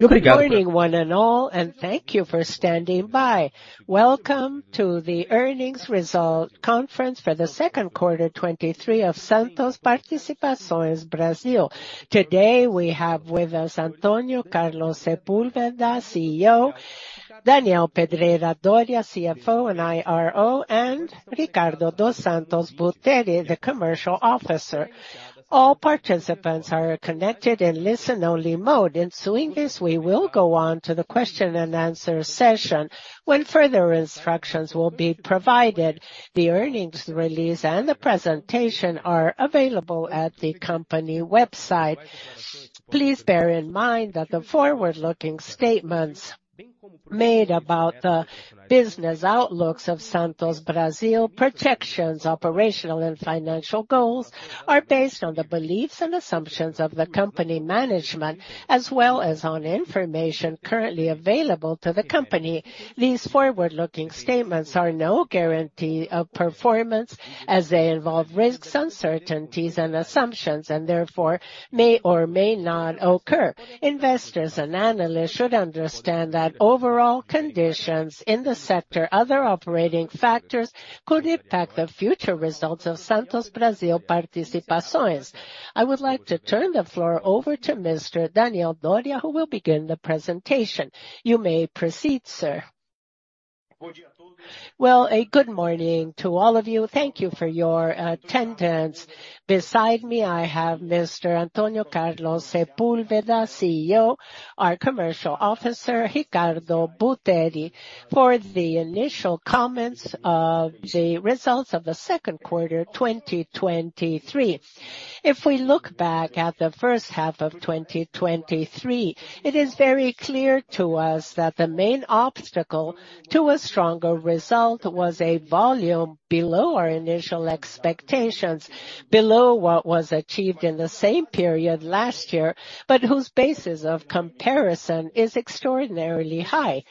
Good morning, one and all, and thank you for standing by. Welcome to the earnings result conference for the second quarter 2023 of Santos Brasil Participações. Today, we have with us Antônio Carlos Sepúlveda, CEO, Daniel Pedreira Dorea, CFO and IRO, and Ricardo dos Santos Buteri, Chief Commercial Officer. All participants are connected in listen only mode. Ensuing this, we will go on to the question and answer session, when further instructions will be provided. The earnings release and the presentation are available at the company website. Please bear in mind that the forward-looking statements made about the business outlooks of Santos Brasil projections, operational and financial goals, are based on the beliefs and assumptions of the company management, as well as on information currently available to the company. These forward-looking statements are no guarantee of performance as they involve risks, uncertainties and assumptions, and therefore may or may not occur. Investors and analysts should understand that overall conditions in the sector, other operating factors, could impact the future results of Santos Brasil Participações. I would like to turn the floor over to Mr. Daniel Dorea, who will begin the presentation. You may proceed, sir. Well, a good morning to all of you. Thank you for your attendance. Beside me, I have Mr. Antônio Carlos Sepúlveda, CEO, our commercial officer, Ricardo Buteri, for the initial comments of the results of the second quarter, 2023. If we look back at the first half of 2023, it is very clear to us that the main obstacle to a stronger result was a volume below our initial expectations, below what was achieved in the same period last year, but whose basis of comparison is extraordinarily high.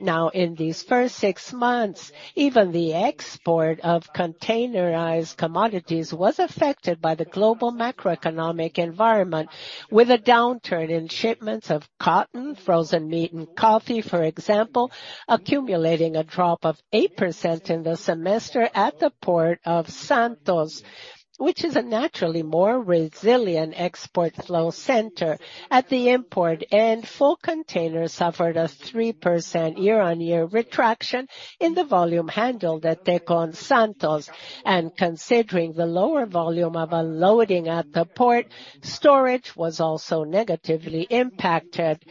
Now, in these first six months, even the export of containerized commodities was affected by the global macroeconomic environment, with a downturn in shipments of cotton, frozen meat and coffee, for example, accumulating a drop of 8% in the semester at the Port of Santos, which is a naturally more resilient export flow center. At the import end, full containers suffered a 3% year-on-year retraction in the volume handled at Tecon Santos, and considering the lower volume of unloading at the port, storage was also negatively impacted.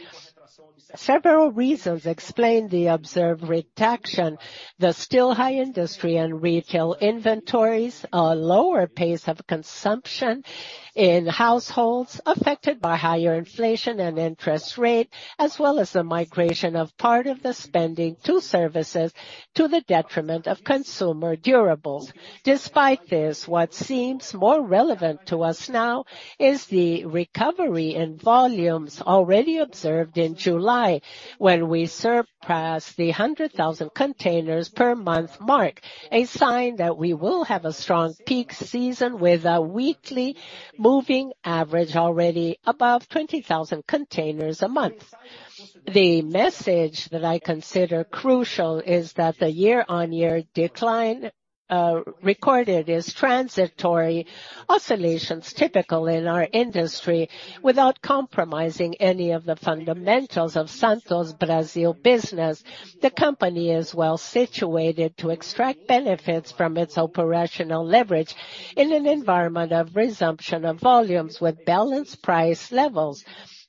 Several reasons explain the observed retraction. The still high industry and retail inventories, a lower pace of consumption in households affected by higher inflation and interest rate, as well as the migration of part of the spending to services to the detriment of consumer durables. Despite this, what seems more relevant to us now is the recovery in volumes already observed in July, when we surpassed the 100,000 containers per month mark, a sign that we will have a strong peak season with a weekly moving average already above 20,000 containers a month. The message that I consider crucial is that the year-on-year decline, recorded is transitory oscillations typical in our industry without compromising any of the fundamentals of Santos Brasil business. The company is well situated to extract benefits from its operational leverage in an environment of resumption of volumes with balanced price levels,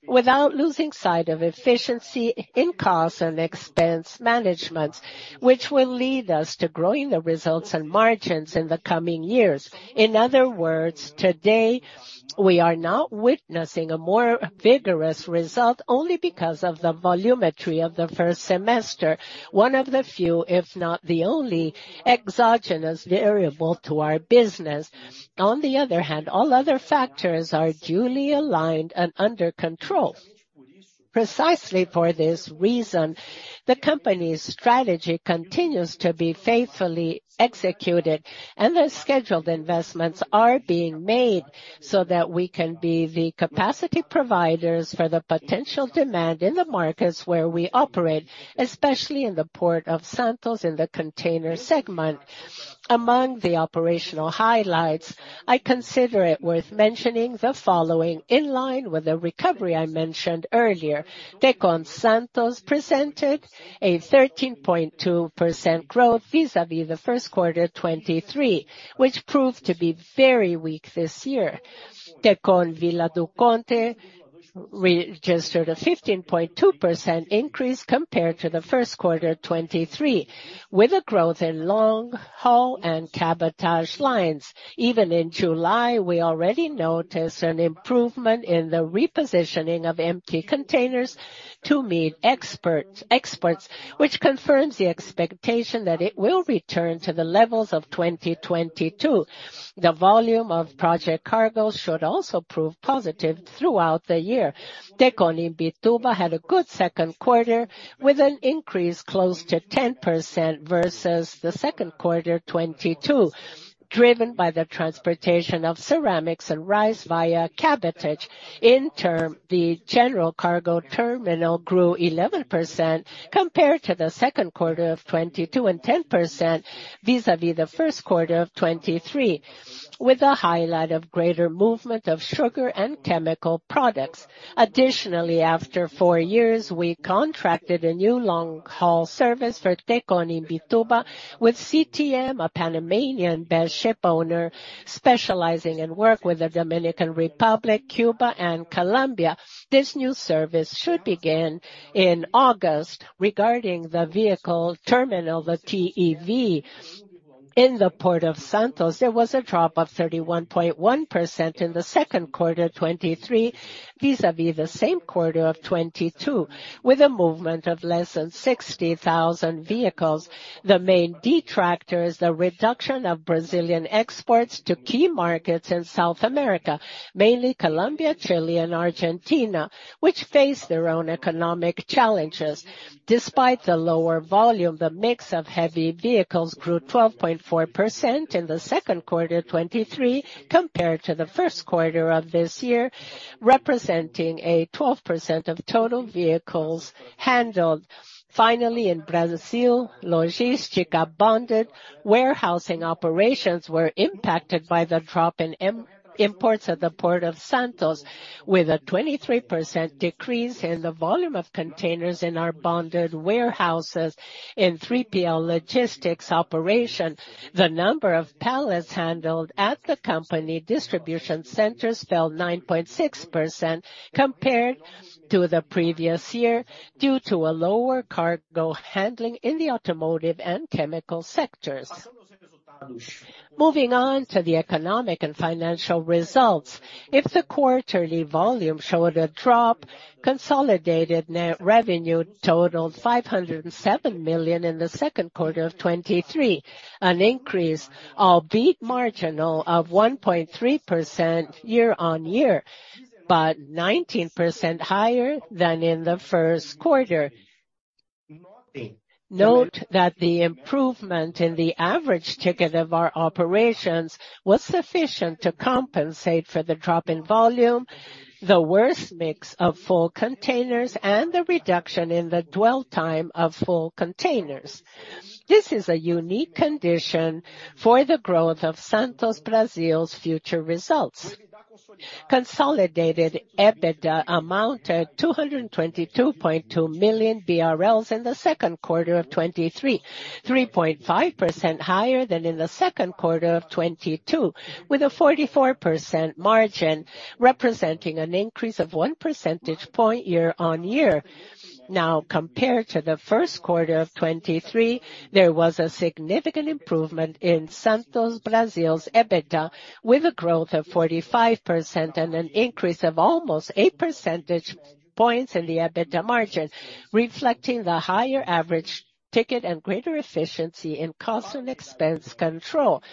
without losing sight of efficiency in cost and expense management, which will lead us to growing the results and margins in the coming years. In other words, today, we are not witnessing a more vigorous result only because of the volumetry of the first semester, one of the few, if not the only, exogenous variable to our business. On the other hand, all other factors are duly aligned and under control. Precisely for this reason, the company's strategy continues to be faithfully executed, and the scheduled investments are being made so that we can be the capacity providers for the potential demand in the markets where we operate, especially in the Port of Santos, in the container segment. Among the operational highlights, I consider it worth mentioning the following. In line with the recovery I mentioned earlier, Tecon Santos presented a 13.2% growth vis-à-vis the first quarter 2023, which proved to be very weak this year. Tecon Vila do Conde registered a 15.2% increase compared to the first quarter 2023, with a growth in long-haul and cabotage lines. Even in July, we already noticed an improvement in the repositioning of empty containers to meet exports, which confirms the expectation that it will return to the levels of 2022. The volume of project cargo should also prove positive throughout the year. Tecon Imbituba had a good second quarter, with an increase close to 10% versus the second quarter 2022, driven by the transportation of ceramics and rice via cabotage. In turn, the General Cargo Terminal grew 11% compared to the second quarter of 2022 and 10% vis-a-vis the first quarter of 2023, with a highlight of greater movement of sugar and chemical products. Additionally, after four years, we contracted a new long-haul service for Tecon Imbituba with CTM, a Panamanian-based shipowner, specializing in work with the Dominican Republic, Cuba and Colombia. This new service should begin in August. Regarding the vehicle terminal, the TEV, in the Port of Santos, there was a drop of 31.1% in the second quarter, 2023, vis-a-vis the same quarter of 2022, with a movement of less than 60,000 vehicles. The main detractor is the reduction of Brazilian exports to key markets in South America, mainly Colombia, Chile and Argentina, which face their own economic challenges. Despite the lower volume, the mix of heavy vehicles grew 12.4% in the second quarter 2023, compared to the first quarter of this year, representing a 12% of total vehicles handled. Finally, in Brasil Logística Bonded warehousing operations were impacted by the drop in imports at the Port of Santos, with a 23% decrease in the volume of containers in our bonded warehouses. In 3PL logistics operation, the number of pallets handled at the company distribution centers fell 9.6% compared to the previous year, due to a lower cargo handling in the automotive and chemical sectors. Moving on to the economic and financial results. If the quarterly volume showed a drop, consolidated net revenue totaled 507 million in the second quarter of 2023, an increase, albeit marginal, of 1.3% year-on-year, but 19% higher than in the first quarter. Note that the improvement in the average ticket of our operations was sufficient to compensate for the drop in volume, the worst mix of full containers, and the reduction in the dwell time of full containers. This is a unique condition for the growth of Santos Brasil's future results. Consolidated EBITDA amounted 222.2 million BRL in the second quarter of 2023, 3.5% higher than in the second quarter of 2022, with a 44% margin, representing an increase of 1 percentage point year-on-year. Compared to the first quarter of 2023, there was a significant improvement in Santos Brasil's EBITDA, with a growth of 45% and an increase of almost 8 percentage points in the EBITDA margin, reflecting the higher average ticket and greater efficiency in cost and expense control.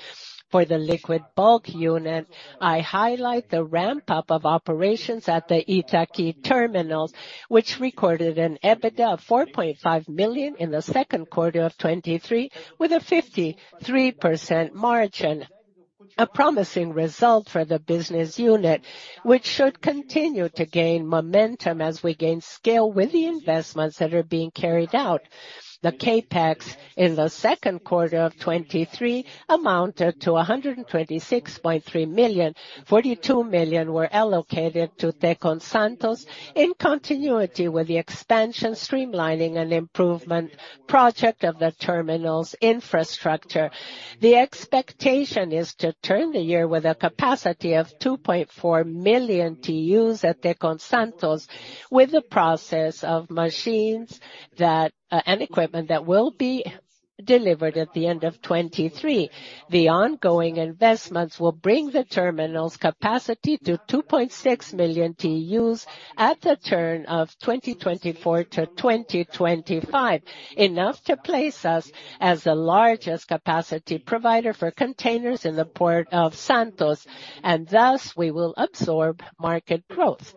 For the liquid bulk unit, I highlight the ramp-up of operations at the Itaqui terminals, which recorded an EBITDA of 4.5 million in the second quarter of 2023, with a 53% margin. A promising result for the business unit, which should continue to gain momentum as we gain scale with the investments that are being carried out. The CapEx in the second quarter of 2023 amounted to 126.3 million, 42 million were allocated to Tecon Santos in continuity with the expansion, streamlining and improvement project of the terminal's infrastructure. The expectation is to turn the year with a capacity of 2.4 million TEUs at Tecon Santos, with the process of machines and equipment that will be delivered at the end of 2023. The ongoing investments will bring the terminal's capacity to 2.6 million TEUs at the turn of 2024-2025, enough to place us as the largest capacity provider for containers in the Port of Santos, and thus, we will absorb market growth.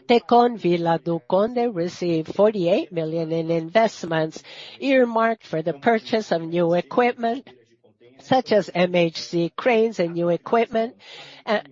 Tecon Vila do Conde received 48 million in investments, earmarked for the purchase of new equipment, such as MHC cranes and new equipment, and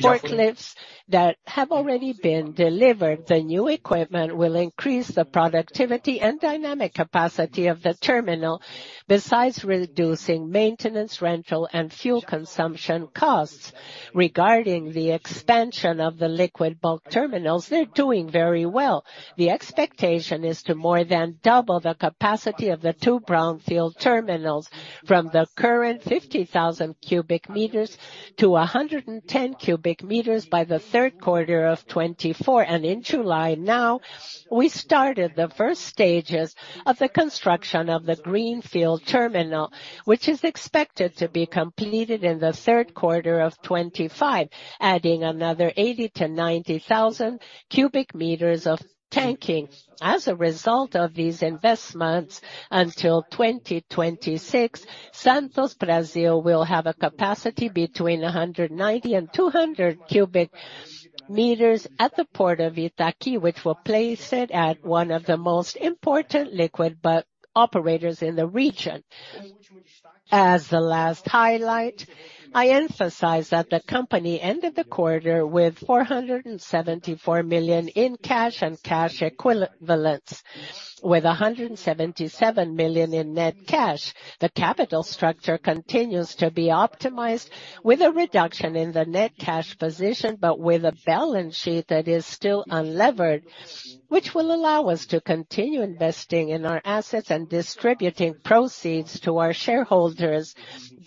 forklifts that have already been delivered. The new equipment will increase the productivity and dynamic capacity of the terminal, besides reducing maintenance, rental, and fuel consumption costs. Regarding the expansion of the liquid bulk terminals, they're doing very well. The expectation is to more than double the capacity of the two brownfield terminals from the current 50,000 cubic meters to 110 cubic meters by the third quarter of 2024. In July now, we started the first stages of the construction of the greenfield terminal, which is expected to be completed in the third quarter of 2025, adding another 80,000-90,000 cubic meters of tanking. As a result of these investments, until 2026, Santos Brasil will have a capacity between 190 and 200 cubic-... meters at the Port of Itaqui, which will place it at one of the most important liquid bulk operators in the region. As the last highlight, I emphasize that the company ended the quarter with 474 million in cash and cash equivalents, with 177 million in net cash. The capital structure continues to be optimized, with a reduction in the net cash position, but with a balance sheet that is still unlevered, which will allow us to continue investing in our assets and distributing proceeds to our shareholders.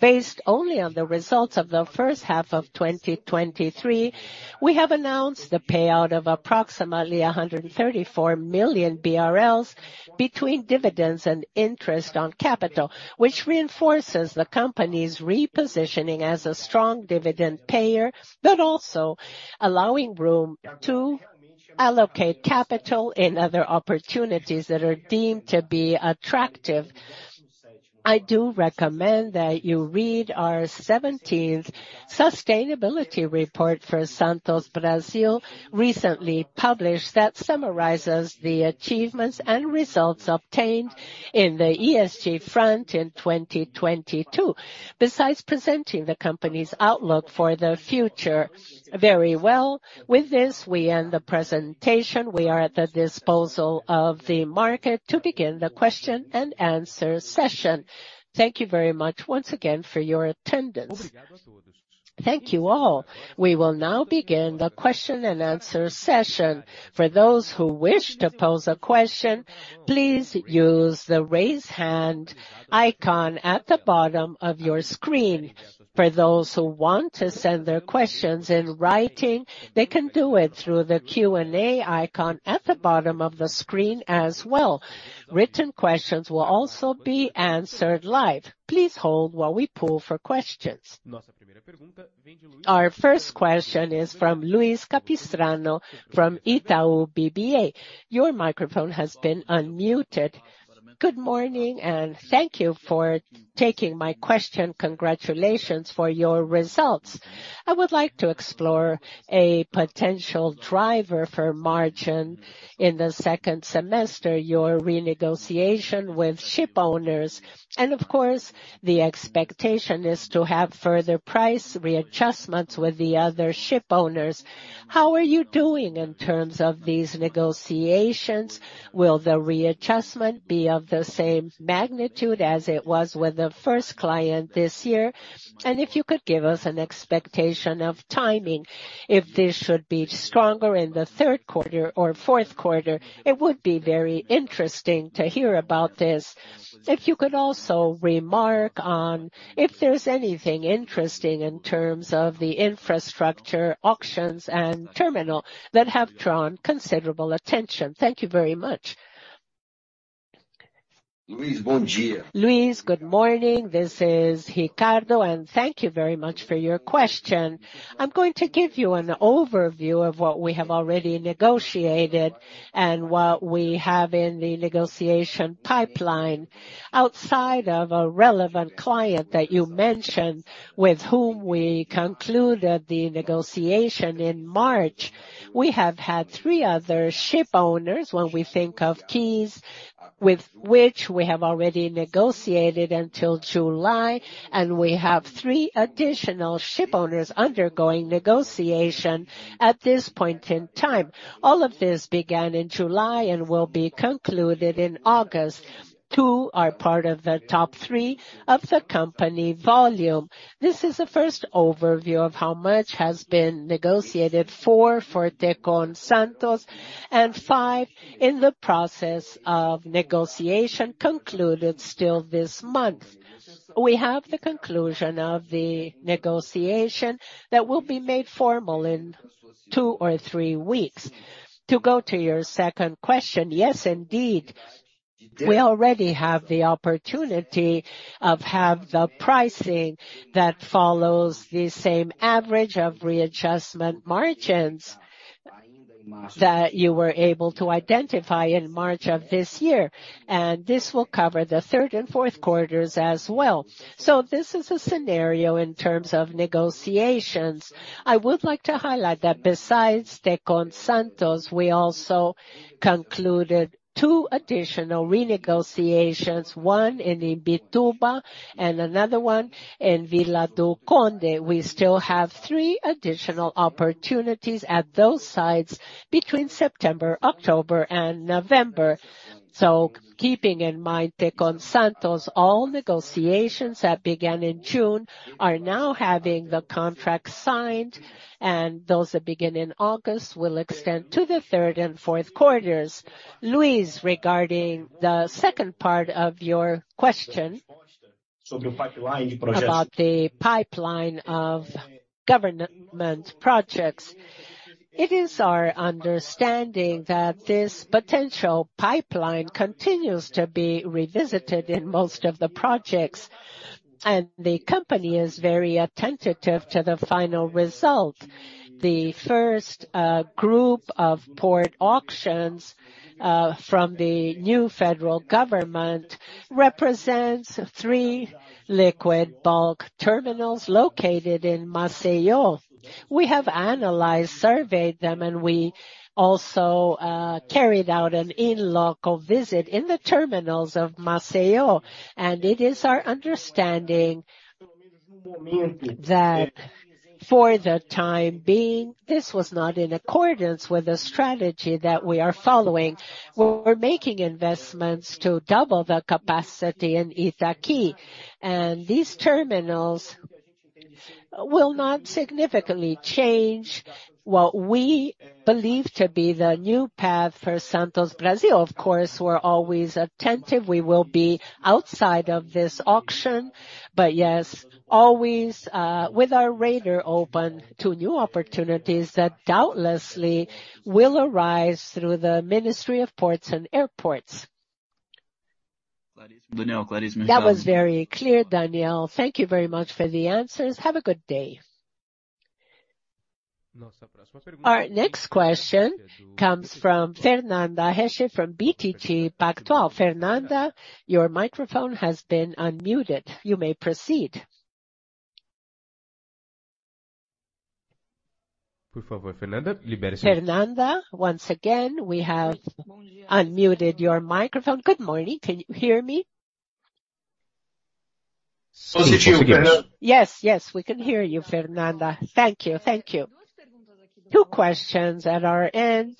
Based only on the results of the first half of 2023, we have announced the payout of approximately 134 million BRL between dividends and interest on capital, which reinforces the company's repositioning as a strong dividend payer, also allowing room to allocate capital in other opportunities that are deemed to be attractive. I do recommend that you read our seventeenth sustainability report for Santos Brasil, recently published, that summarizes the achievements and results obtained in the ESG front in 2022, besides presenting the company's outlook for the future. Very well. With this, we end the presentation. We are at the disposal of the market to begin the question-and-answer session. Thank you very much once again for your attendance. Thank you, all. We will now begin the question-and-answer session. For those who wish to pose a question, please use the Raise Hand icon at the bottom of your screen. For those who want to send their questions in writing, they can do it through the Q&A icon at the bottom of the screen as well. Written questions will also be answered live. Please hold while we poll for questions. Our first question is from Luiz Capistrano from Itaú BBA. Your microphone has been unmuted. Good morning. Thank you for taking my question. Congratulations for your results. I would like to explore a potential driver for margin in the second semester, your renegotiation with shipowners. Of course, the expectation is to have further price readjustments with the other shipowners. How are you doing in terms of these negotiations? Will the readjustment be of the same magnitude as it was with the first client this year? If you could give us an expectation of timing, if this should be stronger in the third quarter or fourth quarter, it would be very interesting to hear about this. If you could also remark on if there's anything interesting in terms of the infrastructure, auctions, and terminal that have drawn considerable attention. Thank you very much. Luiz, good morning. This is Ricardo. Thank you very much for your question. I'm going to give you an overview of what we have already negotiated and what we have in the negotiation pipeline. Outside of a relevant client that you mentioned, with whom we concluded the negotiation in March, we have had 3 other shipowners, when we think of keys, with which we have already negotiated until July, and we have 3 additional shipowners undergoing negotiation at this point in time. All of this began in July and will be concluded in August. 2 are part of the top 3 of the company volume. This is the first overview of how much has been negotiated, 4 for Tecon Santos and 5 in the process of negotiation concluded still this month. We have the conclusion of the negotiation that will be made formal in 2 or 3 weeks. To go to your second question, yes, indeed, we already have the opportunity of have the pricing that follows the same average of readjustment margins that you were able to identify in March of this year. This will cover the third and fourth quarters as well. This is a scenario in terms of negotiations. I would like to highlight that besides Tecon Santos, we also concluded two additional renegotiations, one in Imbituba and another one in Vila do Conde. We still have three additional opportunities at those sites between September, October, and November. Keeping in mind, Tecon Santos, all negotiations that began in June are now having the contract signed, and those that begin in August will extend to the third and fourth quarters. Luiz, regarding the second part of your question, about the pipeline of government projects, it is our understanding that this potential pipeline continues to be revisited in most of the projects. The company is very attentive to the final result. The first group of port auctions from the new federal government represents three liquid bulk terminals located in Maceió. We have analyzed, surveyed them, and we also carried out an in-local visit in the terminals of Maceió. It is our understanding that for the time being, this was not in accordance with the strategy that we are following. We're making investments to double the capacity in Itaqui, and these terminals will not significantly change what we believe to be the new path for Santos Brasil. Of course, we're always attentive. We will be outside of this auction, yes, always with our radar open to new opportunities that doubtlessly will arise through the Ministry of Ports and Airports. That was very clear, Daniel. Thank you very much for the answers. Have a good day. Our next question comes from Fernanda Recchia from BTG Pactual. Fernanda, your microphone has been unmuted. You may proceed. Fernanda, once again, we have unmuted your microphone. Good morning. Can you hear me? Yes, yes, we can hear you, Fernanda. Thank you. Thank you. 2 questions at our end.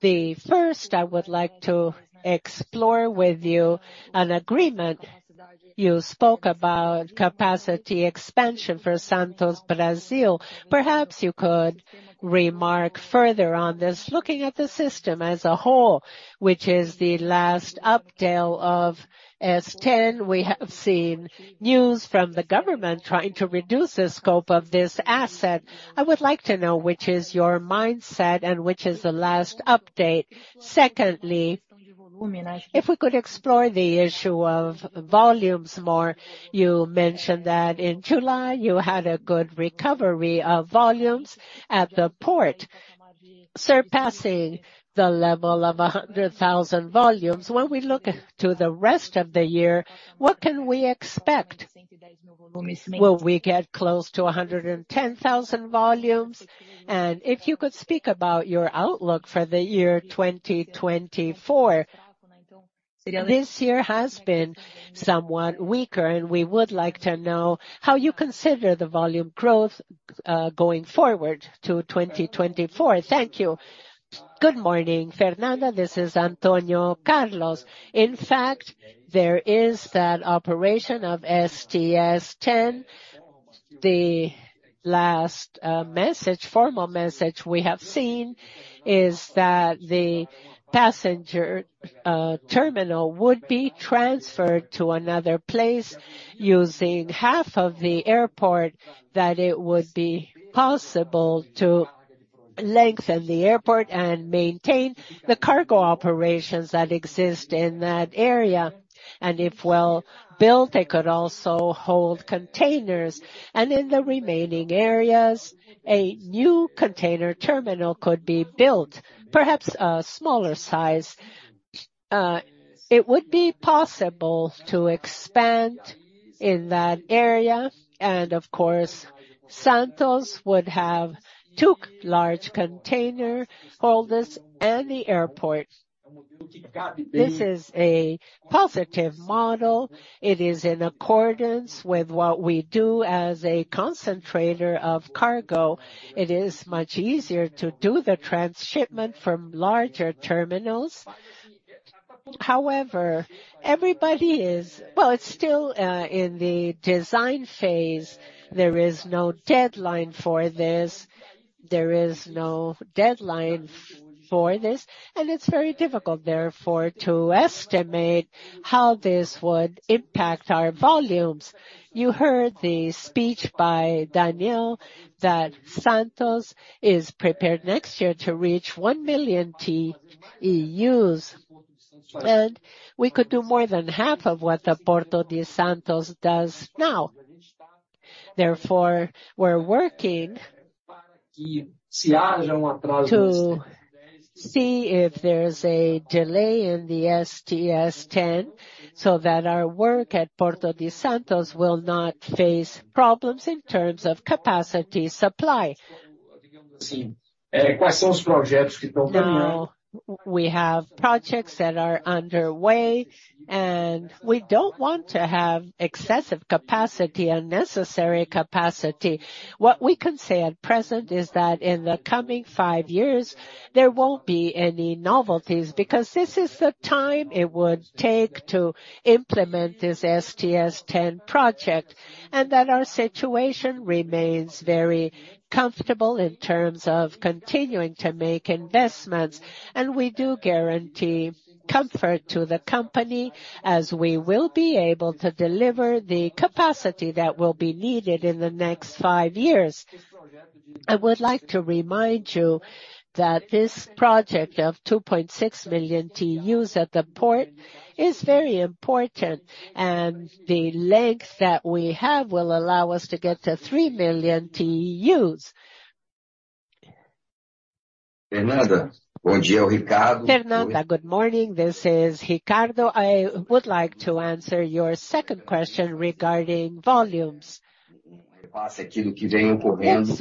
The first, I would like to explore with you an agreement. You spoke about capacity expansion for Santos Brasil. Perhaps you could remark further on this, looking at the system as a whole, which is the last update of STS10. We have seen news from the government trying to reduce the scope of this asset. I would like to know, which is your mindset and which is the last update? Secondly, if we could explore the issue of volumes more. You mentioned that in July, you had a good recovery of volumes at the port, surpassing the level of 100,000 volumes. When we look to the rest of the year, what can we expect? Will we get close to 110,000 volumes? If you could speak about your outlook for the year 2024. This year has been somewhat weaker, and we would like to know how you consider the volume growth going forward to 2024. Thank you. Good morning, Fernanda. This is Antônio Carlos. In fact, there is that operation of STS10. The last message, formal message we have seen is that the passenger terminal would be transferred to another place using half of the airport, that it would be possible to lengthen the airport and maintain the cargo operations that exist in that area. If well built, they could also hold containers, and in the remaining areas, a new container terminal could be built, perhaps a smaller size. It would be possible to expand in that area, of course, Santos would have two large container holders and the airport. This is a positive model. It is in accordance with what we do as a concentrator of cargo. It is much easier to do the transshipment from larger terminals. However, everybody is-- Well, it's still in the design phase. There is no deadline for this. There is no deadline for this, and it's very difficult, therefore, to estimate how this would impact our volumes. You heard the speech by Daniel Dorea that Santos Brasil is prepared next year to reach 1 million TEUs, and we could do more than half of what the Port of Santos does now. Therefore, we're working to see if there's a delay in the STS10, so that our work at Port of Santos will not face problems in terms of capacity supply. Now, we have projects that are underway, and we don't want to have excessive capacity, unnecessary capacity. What we can say at present is that in the coming 5 years, there won't be any novelties, because this is the time it would take to implement this STS10 project, and that our situation remains very comfortable in terms of continuing to make investments. We do guarantee comfort to the company as we will be able to deliver the capacity that will be needed in the next five years. I would like to remind you that this project of 2.6 million TEUs at the port is very important, and the length that we have will allow us to get to 3 million TEUs. Fernanda, good morning, this is Ricardo. I would like to answer your second question regarding volumes. Let's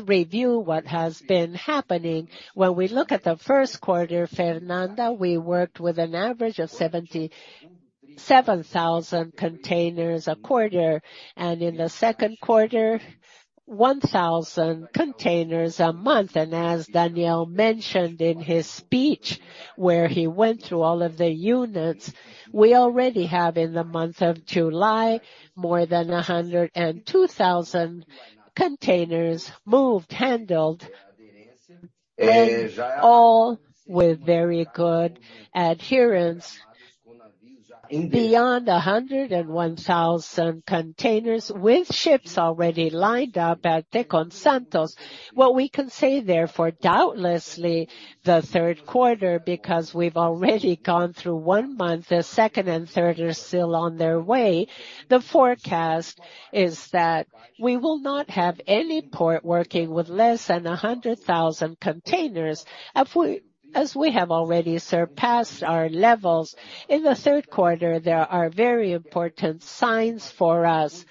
review what has been happening. When we look at the first quarter, Fernanda, we worked with an average of 77,000 containers a quarter, and in the second quarter, 1,000 containers a month. As Daniel mentioned in his speech, where he went through all of the units, we already have, in the month of July, more than 102,000 containers moved, handled, and all with very good adherence. Beyond 101,000 containers with ships already lined up at Tecon Santos. What we can say therefore, doubtlessly, the third quarter, because we've already gone through 1 month, the second and third are still on their way. The forecast is that we will not have any port working with less than 100,000 containers. As we have already surpassed our levels. In the third quarter, there are very important signs for us.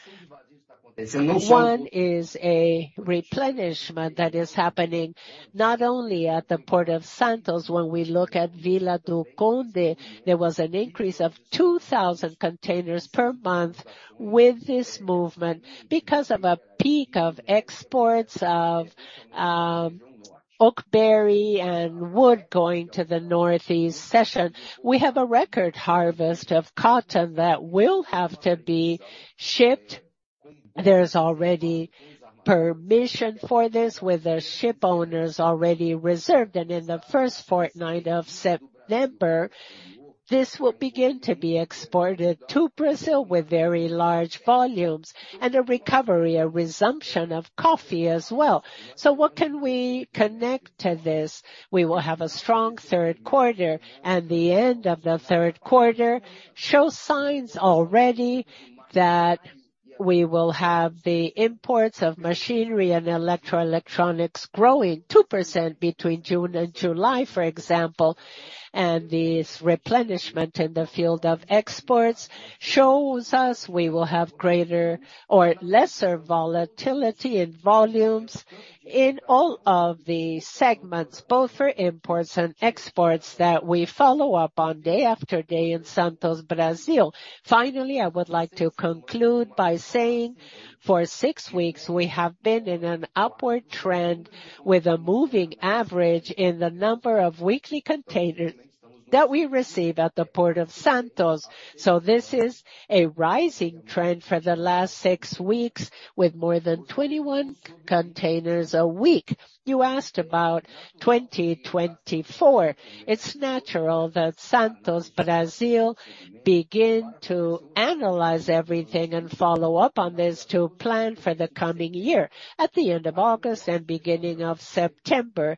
One is a replenishment that is happening not only at the Port of Santos. When we look at Vila do Conde, there was an increase of 2,000 containers per month with this movement, because of a peak of exports of açaí berry and wood going to the Northeast region. We have a record harvest of cotton that will have to be shipped. There's already permission for this, with the shipowners already reserved, in the first fortnight of September, this will begin to be exported to Brazil with very large volumes and a recovery, a resumption of coffee as well. What can we connect to this? We will have a strong third quarter, the end of the third quarter shows signs already that we will have the imports of machinery and electro electronics growing 2% between June and July, for example. This replenishment in the field of exports shows us we will have greater or lesser volatility in volumes in all of the segments, both for imports and exports, that we follow up on day after day in Santos, Brazil. Finally, I would like to conclude by saying, for six weeks, we have been in an upward trend with a moving average in the number of weekly containers that we receive at the Port of Santos. This is a rising trend for the last six weeks, with more than 21 containers a week. You asked about 2024. It's natural that Santos Brasil begin to analyze everything and follow up on this to plan for the coming year. At the end of August and beginning of September,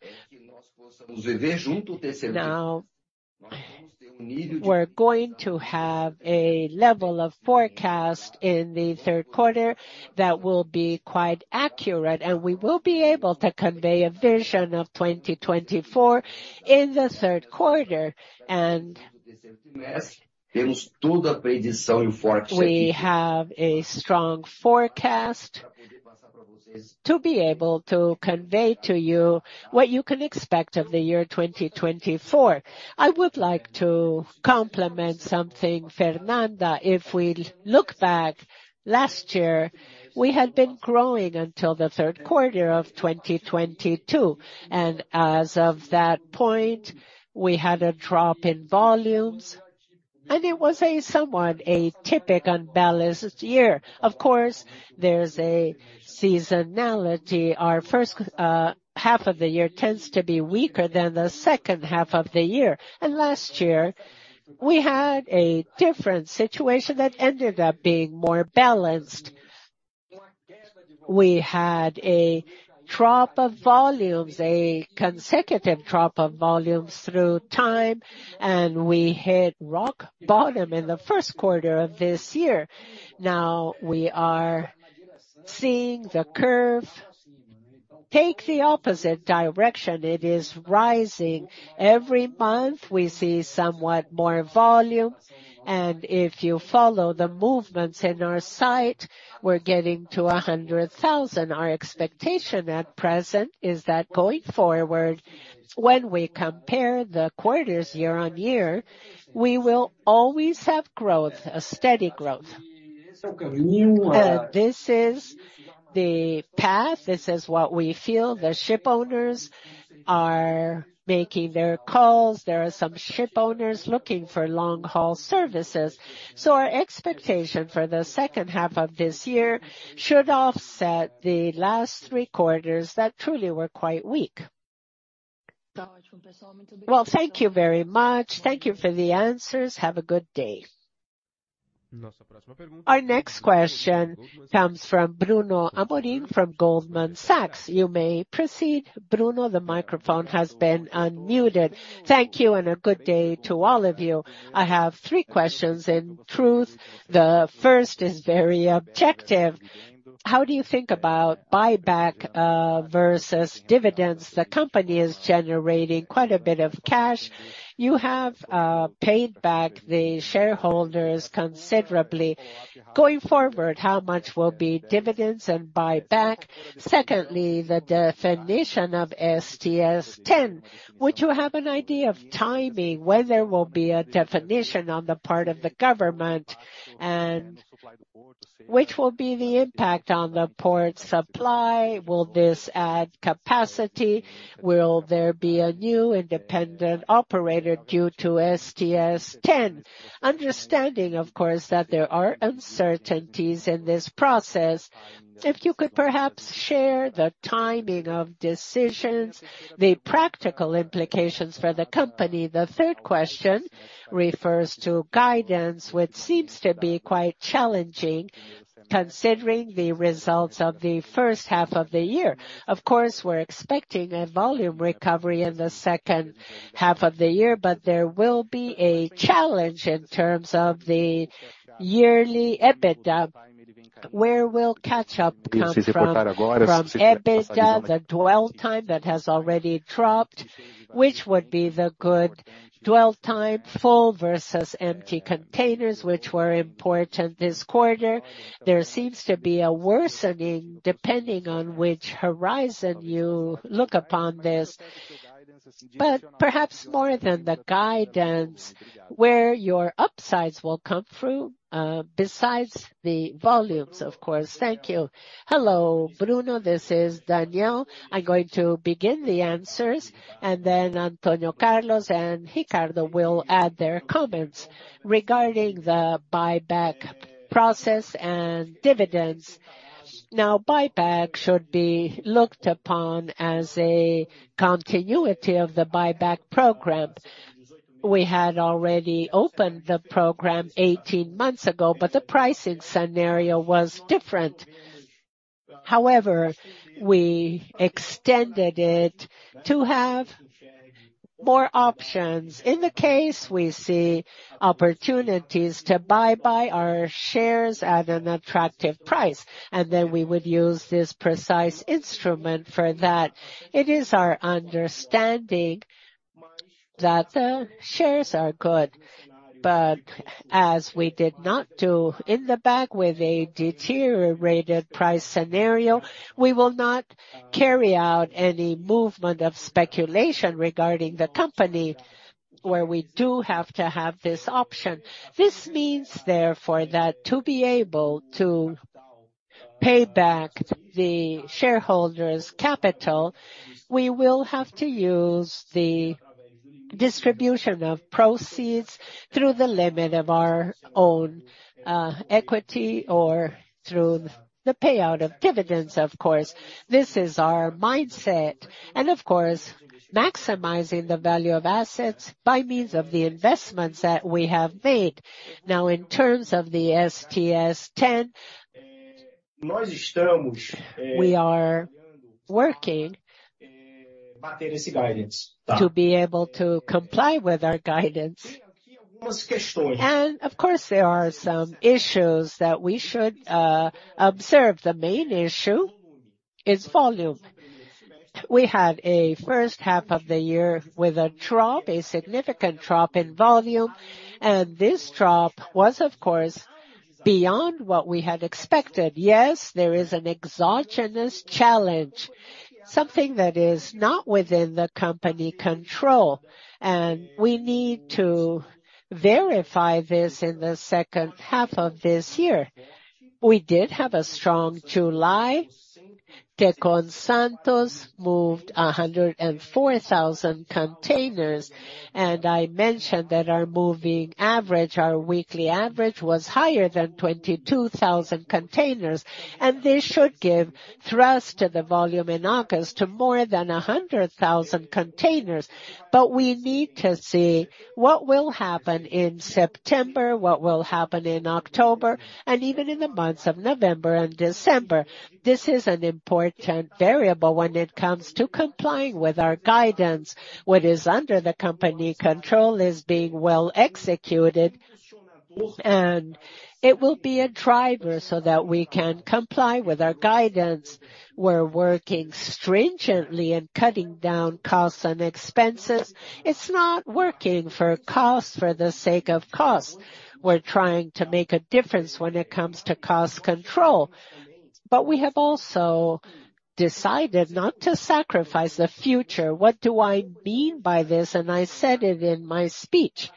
now we're going to have a level of forecast in the third quarter that will be quite accurate, and we will be able to convey a vision of 2024 in the third quarter. We have a strong forecast to be able to convey to you what you can expect of the year 2024. I would like to complement something, Fernanda. If we look back, last year, we had been growing until the third quarter of 2022, and as of that point, we had a drop in volumes, and it was a somewhat atypical balanced year. Of course, there's a seasonality. Our first half of the year tends to be weaker than the second half of the year. Last year, we had a different situation that ended up being more balanced. We had a drop of volumes, a consecutive drop of volumes through time, and we hit rock bottom in the first quarter of this year. Now, we are seeing the curve take the opposite direction. It is rising. Every month, we see somewhat more volume, and if you follow the movements in our site, we're getting to 100,000. Our expectation at present is that going forward, when we compare the quarters year-on-year, we will always have growth, a steady growth. This is the path. This is what we feel. The shipowners are making their calls. There are some shipowners looking for long-haul services. Our expectation for the second half of this year should offset the last three quarters that truly were quite weak. Well, thank you very much. Thank you for the answers. Have a good day. Our next question comes from Bruno Amorim from Goldman Sachs. You may proceed, Bruno, the microphone has been unmuted. Thank you. A good day to all of you. I have three questions, in truth. The first is very objective: how do you think about buyback versus dividends? The company is generating quite a bit of cash. You have paid back the shareholders considerably. Going forward, how much will be dividends and buyback? Secondly, the definition of STS10. Would you have an idea of timing, when there will be a definition on the part of the government, and which will be the impact on the port supply? Will this add capacity? Will there be a new independent operator due to STS10? Understanding, of course, that there are uncertainties in this process. If you could perhaps share the timing of decisions, the practical implications for the company. The third question refers to guidance, which seems to be quite challenging, considering the results of the first half of the year. Of course, we're expecting a volume recovery in the second half of the year, there will be a challenge in terms of the yearly EBITDA. Where will catch-up come from, from EBITDA, the dwell time that has already dropped, which would be the good dwell time, full versus empty containers, which were important this quarter? There seems to be a worsening, depending on which horizon you look upon this. Perhaps more than the guidance, where your upsides will come through, besides the volumes, of course. Thank you. Hello, Bruno, this is Daniel. I'm going to begin the answers, then Antônio Carlos and Ricardo will add their comments. Regarding the buyback process and dividends. Now, buyback should be looked upon as a continuity of the buyback program. We had already opened the program 18 months ago, the pricing scenario was different. We extended it to have more options. In the case, we see opportunities to buy, buy our shares at an attractive price, and then we would use this precise instrument for that. It is our understanding that the shares are good, as we did not do in the back with a deteriorated price scenario, we will not carry out any movement of speculation regarding the company, where we do have to have this option. This means, therefore, that to be able to pay back the shareholders' capital, we will have to use the distribution of proceeds through the limit of our own equity, or through the payout of dividends, of course. This is our mindset, of course, maximizing the value of assets by means of the investments that we have made. Now, in terms of the STS10, we are working to be able to comply with our guidance. Of course, there are some issues that we should observe. The main issue is volume. We had a first half of the year with a drop, a significant drop in volume, and this drop was, of course, beyond what we had expected. Yes, there is an exogenous challenge, something that is not within the company control, and we need to verify this in the second half of this year. We did have a strong July. Tecon Santos moved 104,000 containers. I mentioned that our moving average, our weekly average, was higher than 22,000 containers. This should give thrust to the volume in August to more than 100,000 containers. We need to see what will happen in September, what will happen in October, and even in the months of November and December. This is an important variable when it comes to complying with our guidance. What is under the company control is being well executed. It will be a driver so that we can comply with our guidance. We're working stringently and cutting down costs and expenses. It's not working for cost for the sake of cost. We're trying to make a difference when it comes to cost control. We have also decided not to sacrifice the future. What do I mean by this? I said it in my speech.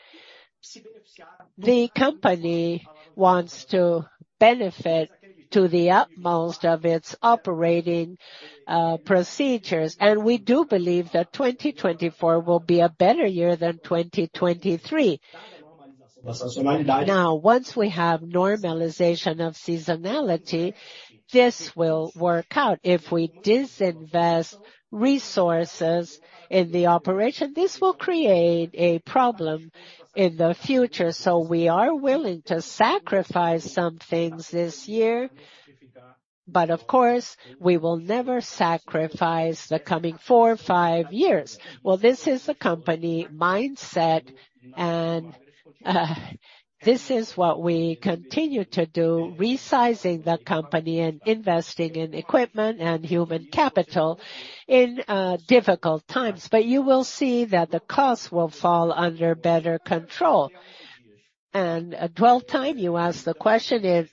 The company wants to benefit to the utmost of its operating procedures, and we do believe that 2024 will be a better year than 2023. Now, once we have normalization of seasonality, this will work out. If we disinvest resources in the operation, this will create a problem in the future. We are willing to sacrifice some things this year. Of course, we will never sacrifice the coming four, five years. Well, this is the company mindset, and this is what we continue to do, resizing the company and investing in equipment and human capital in difficult times. You will see that the costs will fall under better control. Dwell time, you asked the question, it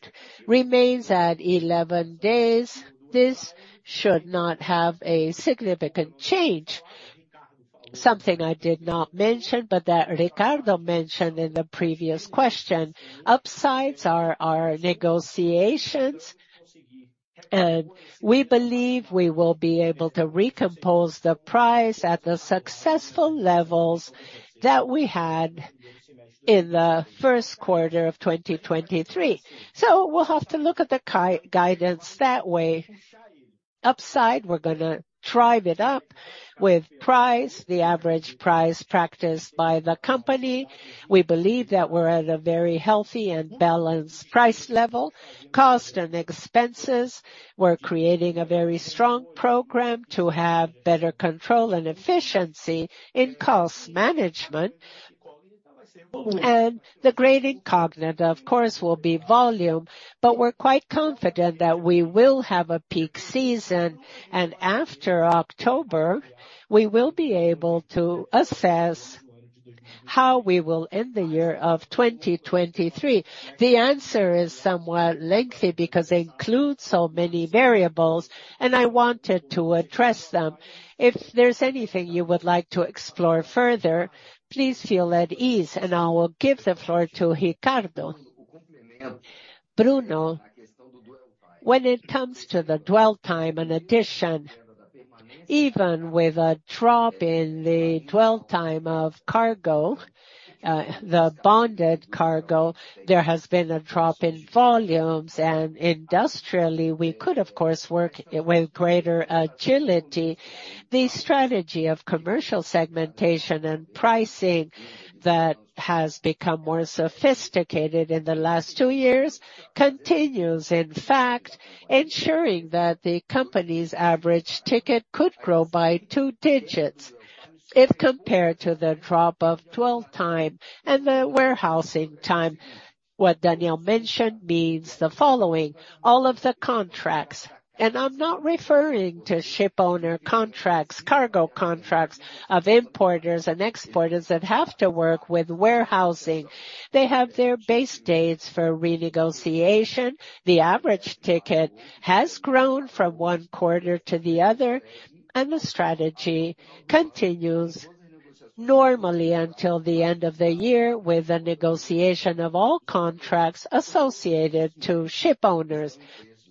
remains at 11 days. This should not have a significant change. Something I did not mention, but that Ricardo mentioned in the previous question, upsides are our negotiations, and we believe we will be able to recompose the price at the successful levels that we had in the first quarter of 2023. We'll have to look at the guidance that way. Upside, we're gonna drive it up with price, the average price practiced by the company. We believe that we're at a very healthy and balanced price level. Cost and expenses, we're creating a very strong program to have better control and efficiency in cost management. The grading incognita, of course, will be volume, but we're quite confident that we will have a peak season, and after October, we will be able to assess how we will end the year of 2023. The answer is somewhat lengthy because it includes so many variables, and I wanted to address them. If there's anything you would like to explore further, please feel at ease, and I will give the floor to Ricardo. Bruno, when it comes to the dwell time, in addition, even with a drop in the dwell time of cargo, the bonded cargo, there has been a drop in volumes, and industrially, we could, of course, work with greater agility. The strategy of commercial segmentation and pricing that has become more sophisticated in the last two years continues, in fact, ensuring that the company's average ticket could grow by 2 digits if compared to the drop of dwell time and the warehousing time. What Daniel mentioned means the following: all of the contracts, and I'm not referring to shipowner contracts, cargo contracts of importers and exporters that have to work with warehousing. They have their base dates for renegotiation. The average ticket has grown from 1 quarter to the other. The strategy continues normally until the end of the year with the negotiation of all contracts associated to shipowners.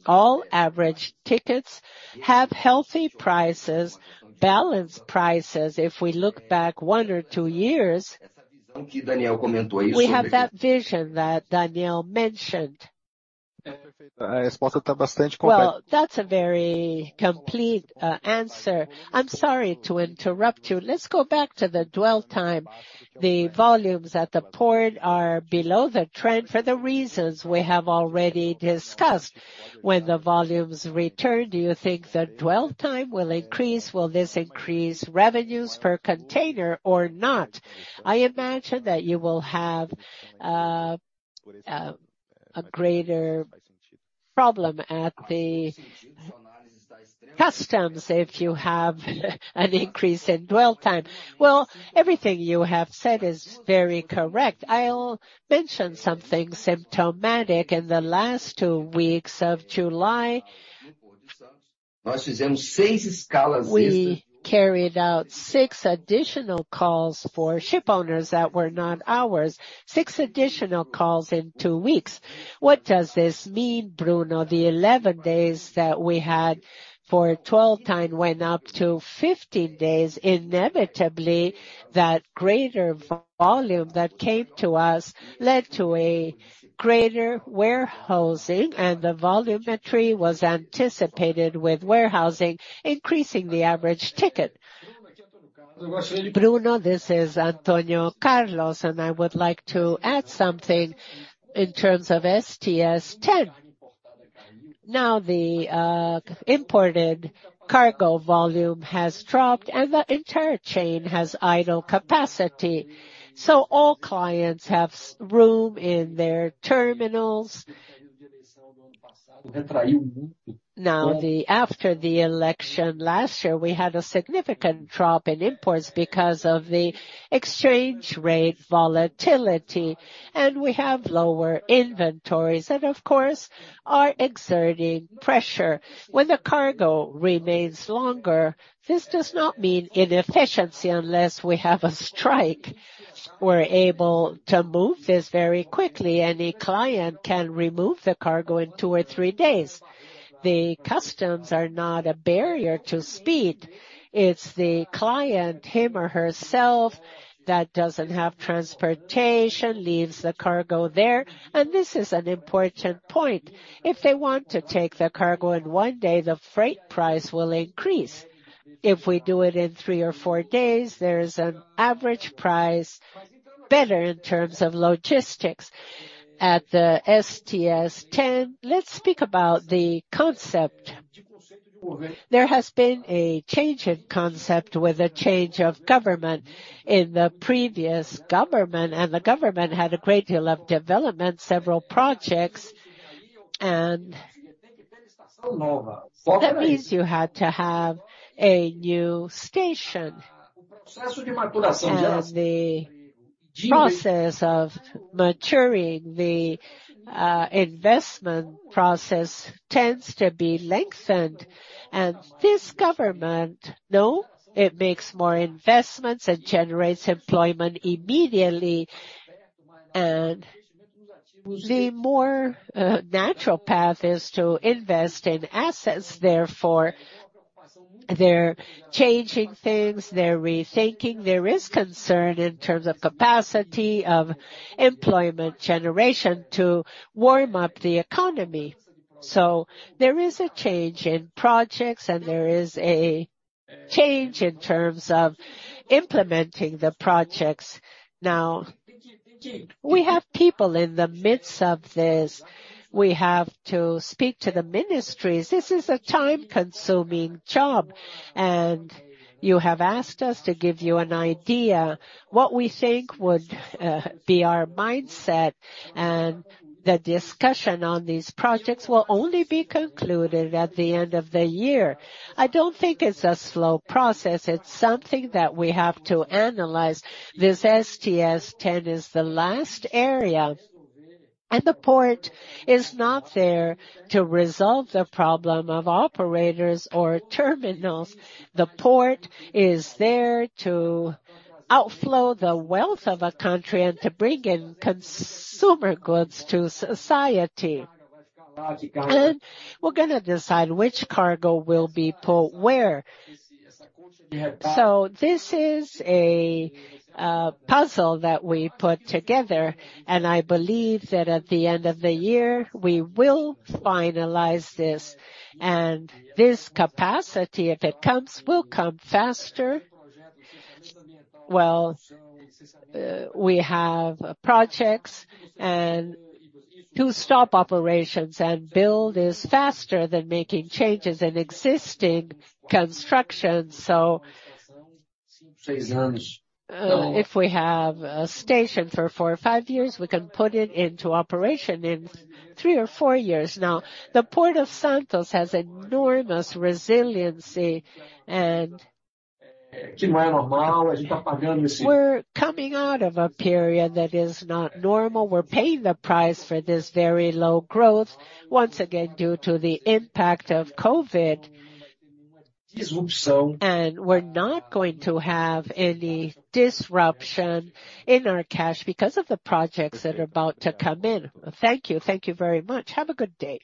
All average tickets have healthy prices, balanced prices. If we look back 1 or 2 years, we have that vision that Daniel mentioned. That's a very complete answer. I'm sorry to interrupt you. Let's go back to the dwell time. The volumes at the port are below the trend for the reasons we have already discussed. When the volumes return, do you think the dwell time will increase? Will this increase revenues per container or not? I imagine that you will have a greater problem at the customs if you have an increase in dwell time. Well, everything you have said is very correct. I'll mention something symptomatic. In the last two weeks of July, we carried out six additional calls for shipowners that were not ours, six additional calls in two weeks. What does this mean, Bruno? The 11 days that we had for dwell time went up to 15 days. Inevitably, that greater volume that came to us led to a greater warehousing, and the volumetry was anticipated, with warehousing increasing the average ticket. Bruno, this is Antônio Carlos, and I would like to add something in terms of STS10. Now, the imported cargo volume has dropped, and the entire chain has idle capacity, so all clients have room in their terminals. Now, after the election last year, we had a significant drop in imports because of the exchange rate volatility, we have lower inventories and, of course, are exerting pressure. When the cargo remains longer, this does not mean inefficiency unless we have a strike. We're able to move this very quickly. Any client can remove the cargo in two or three days. The customs are not a barrier to speed. It's the client, him or herself, that doesn't have transportation, leaves the cargo there, this is an important point. If they want to take the cargo in one day, the freight price will increase. If we do it in three or four days, there is an average price, better in terms of logistics. At the STS10, let's speak about the concept. There has been a change in concept with a change of government. In the previous government, the government had a great deal of development, several projects, and that means you had to have a new station. The process of maturing the investment process tends to be lengthened, this government, no, it makes more investments and generates employment immediately, the more natural path is to invest in assets. Therefore, they're changing things, they're rethinking. There is concern in terms of capacity of employment generation to warm up the economy. There is a change in projects, there is a change in terms of implementing the projects. We have people in the midst of this. We have to speak to the ministries. This is a time-consuming job, and you have asked us to give you an idea what we think would be our mindset, and the discussion on these projects will only be concluded at the end of the year. I don't think it's a slow process. It's something that we have to analyze. This STS10 is the last area, and the port is not there to resolve the problem of operators or terminals. The port is there to outflow the wealth of a country and to bring in consumer goods to society. We're gonna decide which cargo will be put where. This is a puzzle that we put together, and I believe that at the end of the year, we will finalize this, and this capacity, if it comes, will come faster. Well, we have projects, to stop operations and build is faster than making changes in existing construction. If we have a station for 4 or 5 years, we can put it into operation in 3 or 4 years. Now, the Port of Santos has enormous resiliency, we're coming out of a period that is not normal. We're paying the price for this very low growth, once again, due to the impact of COVID. We're not going to have any disruption in our cash because of the projects that are about to come in. Thank you. Thank you very much. Have a good day.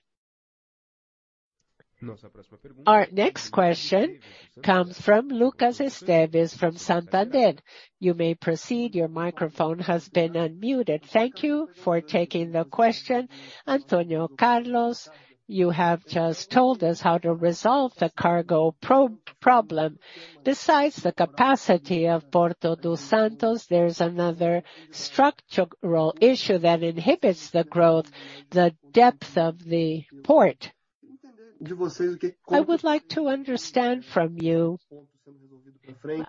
Our next question comes from Lucas Esteves, from Santander. You may proceed. Your microphone has been unmuted. Thank you for taking the question. Antônio Carlos, you have just told us how to resolve the cargo pro-problem. Besides the capacity of Port of Santos, there's another structural issue that inhibits the growth, the depth of the port. I would like to understand from you,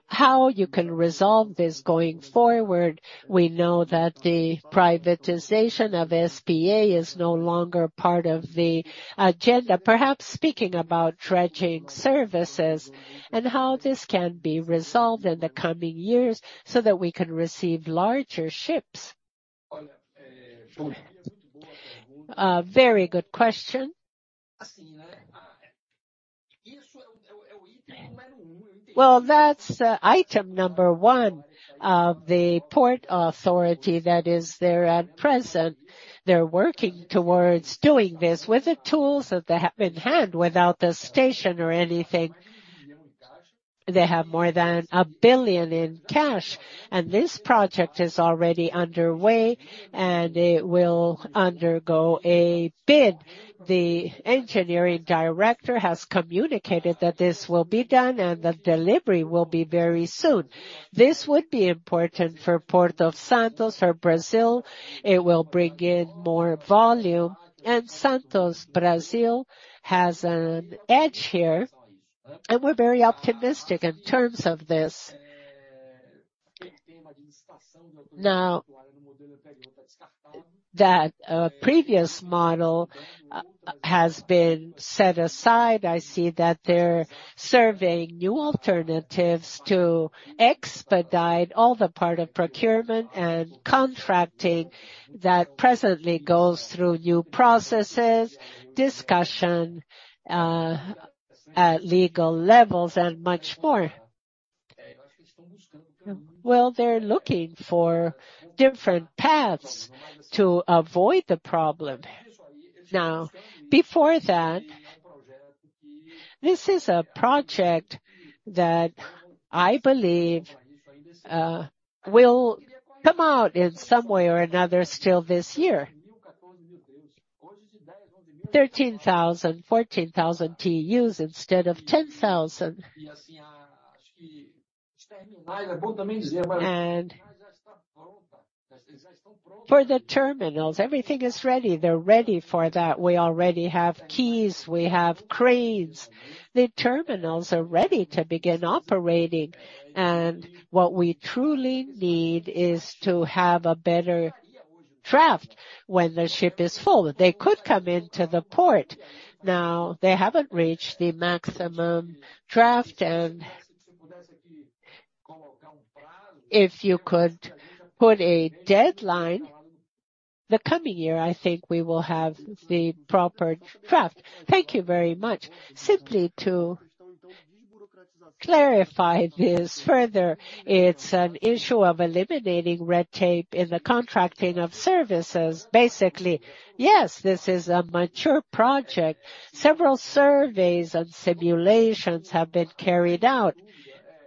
how you can resolve this going forward. We know that the privatization of SPA is no longer part of the agenda, perhaps speaking about dredging services and how this can be resolved in the coming years so that we can receive larger ships. Very good question. Well, that's item number 1 of the Port Authority that is there at present. They're working towards doing this with the tools that they have in hand, without the station or anything. They have more than 1 billion in cash. This project is already underway, and it will undergo a bid. The Engineering Director has communicated that this will be done. The delivery will be very soon. This would be important for Port of Santos, for Brazil. It will bring in more volume. Santos Brasil has an edge here, and we're very optimistic in terms of this. Now, that previous model has been set aside. I see that they're surveying new alternatives to expedite all the part of procurement and contracting that presently goes through new processes, discussion, at legal levels and much more. Well, they're looking for different paths to avoid the problem. Now, before that, this is a project that I believe will come out in some way or another still this year. 13,000, 14,000 TEUs instead of 10,000. For the terminals, everything is ready. They're ready for that. We already have quays, we have cranes. The terminals are ready to begin operating. What we truly need is to have a better draft. When the ship is full, they could come into the port. Now, they haven't reached the maximum draft, and if you could put a deadline, the coming year, I think we will have the proper draft. Thank you very much. Simply to clarify this further, it's an issue of eliminating red tape in the contracting of services. Basically, yes, this is a mature project. Several surveys and simulations have been carried out.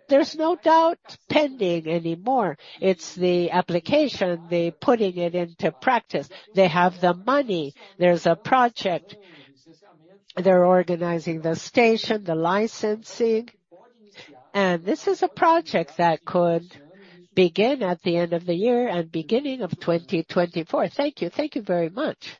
There's no doubt pending anymore. It's the application, the putting it into practice. They have the money. There's a project. They're organizing the station, the licensing, and this is a project that could begin at the end of the year and beginning of 2024. Thank you. Thank you very much.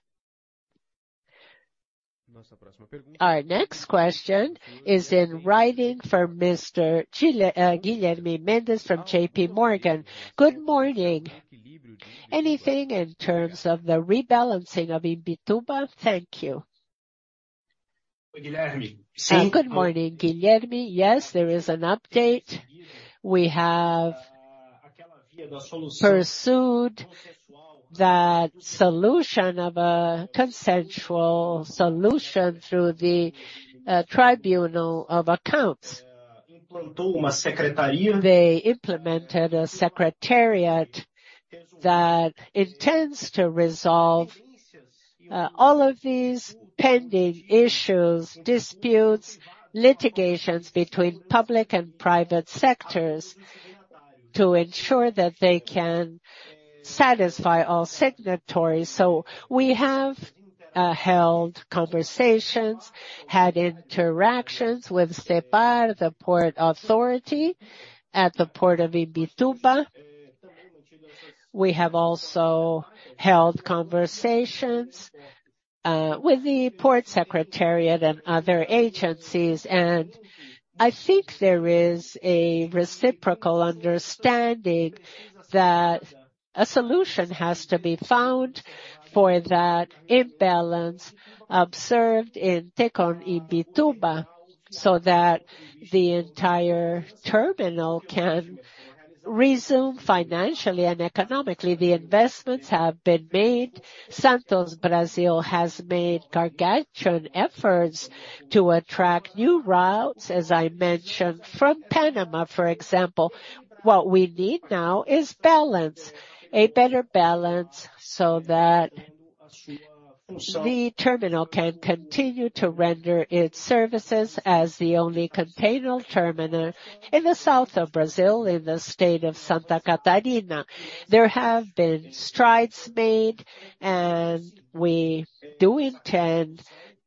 Our next question is in writing from Mr. Guilherme Mendes from JPMorgan. Good morning. Anything in terms of the rebalancing of Imbituba? Thank you. Good morning, Guilherme. Yes, there is an update. We have pursued that solution of a consensual solution through the Tribunal of Accounts. They implemented a secretariat that intends to resolve all of these pending issues, disputes, litigations between public and private sectors to ensure that they can satisfy all signatories. We have held conversations, had interactions with SCPar, the port authority at the Port of Imbituba. We have also held conversations with the Port Secretariat and other agencies, and I think there is a reciprocal understanding that a solution has to be found for that imbalance observed in Tecon Imbituba, so that the entire terminal can resume financially and economically. The investments have been made. Santos Brasil has made gargantuan efforts to attract new routes, as I mentioned, from Panama, for example. What we need now is balance, a better balance, so that the terminal can continue to render its services as the only container terminal in the south of Brazil, in the state of Santa Catarina. There have been strides made, we do intend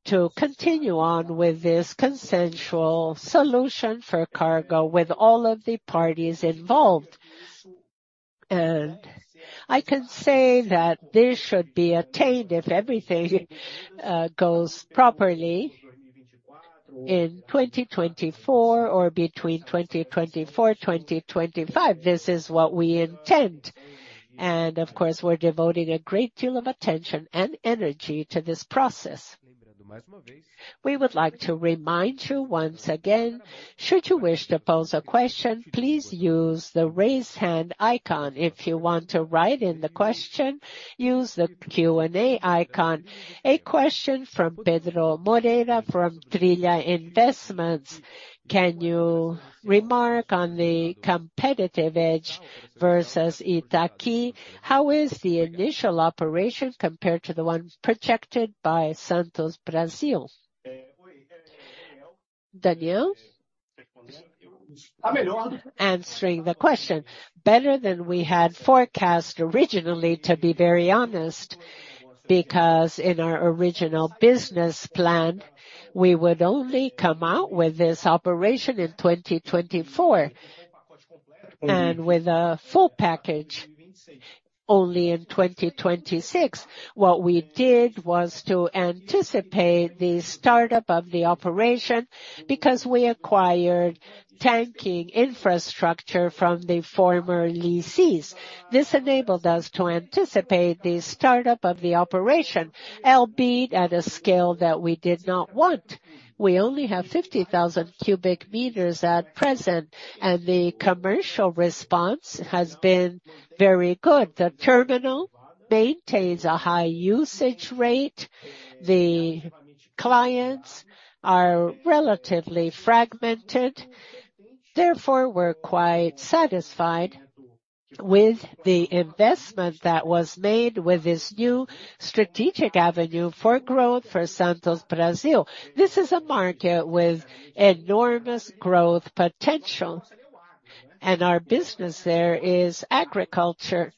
to continue on with this consensual solution for cargo with all of the parties involved. I can say that this should be attained, if everything goes properly, in 2024 or between 2024, 2025. This is what we intend, and of course, we're devoting a great deal of attention and energy to this process. We would like to remind you once again, should you wish to pose a question, please use the Raise Hand icon. If you want to write in the question, use the Q&A icon. A question from Pedro Moreira, from Trilha Investimentos. Can you remark on the competitive edge versus Itaqui? How is the initial operation compared to the one projected by Santos Brasil? Daniel? Answering the question, better than we had forecast originally, to be very honest, because in our original business plan, we would only come out with this operation in 2024, and with a full package only in 2026. What we did was to anticipate the startup of the operation, because we acquired tanking infrastructure from the former lessees. This enabled us to anticipate the startup of the operation, albeit at a scale that we did not want. We only have 50,000 cubic meters at present, and the commercial response has been very good. The terminal maintains a high usage rate. The clients are relatively fragmented. Therefore, we're quite satisfied with the investment that was made with this new strategic avenue for growth for Santos Brasil. This is a market with enormous growth potential, and our business there is agriculture.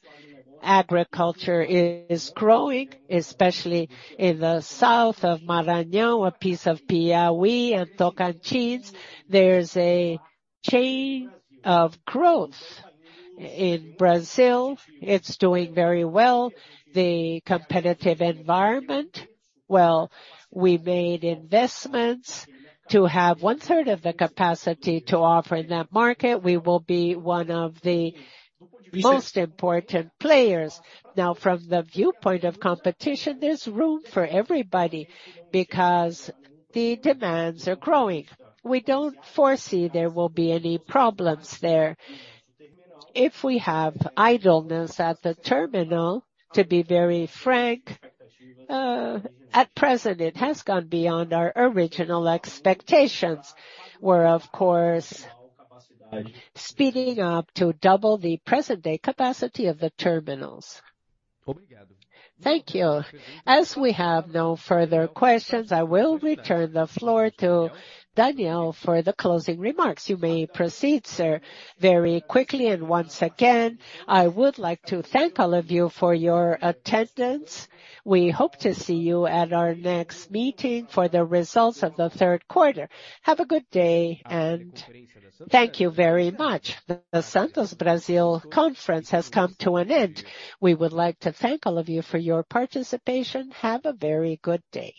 Agriculture is growing, especially in the south of Maranhão, a piece of Piauí and Tocantins. There's a chain of growth in Brazil. It's doing very well. The competitive environment, well, we made investments to have one third of the capacity to offer in that market. We will be one of the most important players. From the viewpoint of competition, there's room for everybody because the demands are growing. We don't foresee there will be any problems there. If we have idleness at the terminal, to be very frank, at present, it has gone beyond our original expectations. We're of course, speeding up to double the present day capacity of the terminals. Thank you. As we have no further questions, I will return the floor to Daniel for the closing remarks. You may proceed, sir. Very quickly and once again, I would like to thank all of you for your attendance. We hope to see you at our next meeting for the results of the third quarter. Have a good day, and thank you very much. The Santos Brasil conference has come to an end. We would like to thank all of you for your participation. Have a very good day.